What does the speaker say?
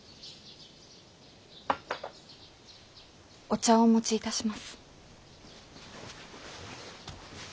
お茶をお持ちいたします。